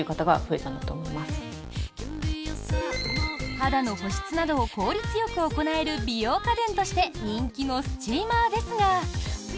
肌の保湿などを効率よく行える美容家電として人気のスチーマーですが。